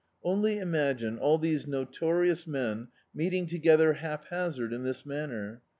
Only imagine all these notorious men meeting to gether haphazard in this maimer.